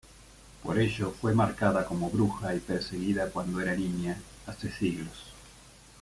Por ello, fue marcada como bruja y perseguida cuando era niña, hace siglos.